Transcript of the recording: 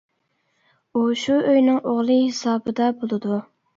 ئۇ شۇ ئۆينىڭ ئوغلى ھېسابىدا بولىدۇ.